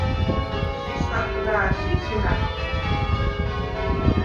– ჟი ს’ა̈ხლა̄̈შ ი ჟი მ’ა̈ხუ̂თი̄ნე.